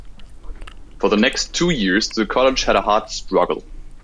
For the next two years the college had a hard struggle.